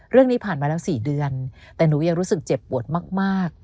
เรื่องนี้ผ่านมาแล้ว๔เดือนแต่หนูยังรู้สึกเจ็บปวดมาก